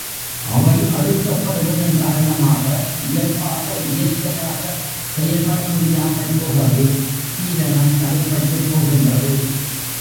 அவை அழுத்தப்படுவதன் காரணமாக, இயல்பாக இயற்கையாக செயல்படமுடியாமற் போகவே, சீரணம் தடைப்பட்டுப் போகின்றது.